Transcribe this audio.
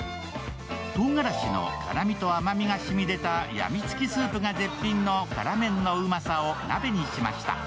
とうがらしの辛味と甘みがしみ出たやみつきスープが絶品の辛麺のうまさを鍋にしました。